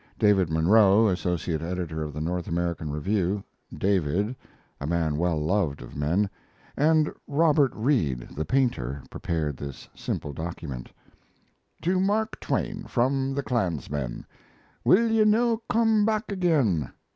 David Munro, associate editor of the North American Review "David," a man well loved of men and Robert Reid, the painter, prepared this simple document: TO MARK TWAIN from THE CLANSMEN Will ye no come back again?